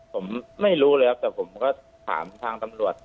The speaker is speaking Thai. ผมไม่รู้แล้วแต่ผมก็ถามทางตำรวจ